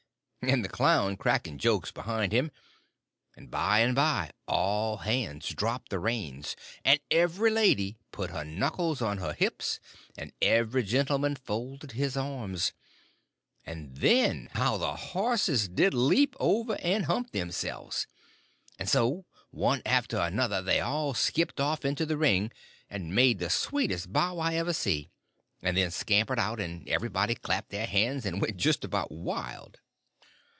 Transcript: and the clown cracking jokes behind him; and by and by all hands dropped the reins, and every lady put her knuckles on her hips and every gentleman folded his arms, and then how the horses did lean over and hump themselves! And so one after the other they all skipped off into the ring, and made the sweetest bow I ever see, and then scampered out, and everybody clapped their hands and went just about wild.